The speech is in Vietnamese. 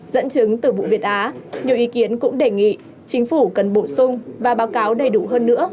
dẫn chứng từ vụ việt á nhiều ý kiến cũng đề nghị chính phủ cần bổ sung và báo cáo đầy đủ hơn nữa